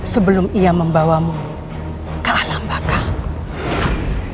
sebelum ia membawamu ke alam bakal